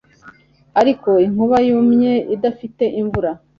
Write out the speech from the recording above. Ariko inkuba yumye idafite imvura